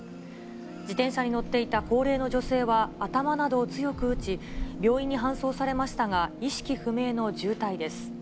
自転車に乗っていた高齢の女性は、頭などを強く打ち、病院に搬送されましたが、意識不明の重体です。